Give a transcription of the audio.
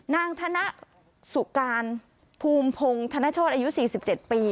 นางธนสุการภูมิพงธนโชฯอายุ๔๗ปี